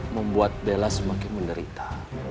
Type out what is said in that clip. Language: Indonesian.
membuat bella semakin menderita